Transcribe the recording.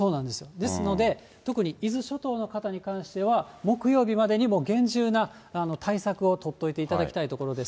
ですので、特に伊豆諸島の方に関しては木曜日までに、もう厳重な対策を取っておいていただきたいところです。